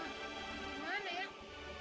udah kamu tidur